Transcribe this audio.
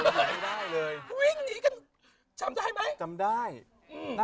วิ่งหนีกัน